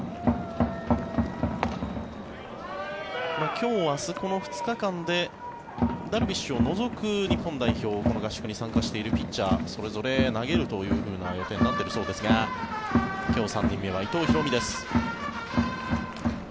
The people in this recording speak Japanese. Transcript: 今日明日この２日間でダルビッシュを除く日本代表のこの合宿に参加しているピッチャーそれぞれ投げるという予定になっているそうですが今日３人目は伊藤大海です。